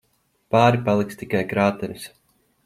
Pāri paliks tikai krāteris.